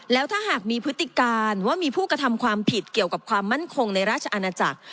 แล้วถ้าหากมีพฤติการว่ามีผู้กระทำความผิดเกี่ยวกับความมั่นคงในราชอาณาจักร